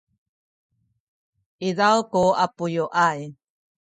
izaw ku puenelay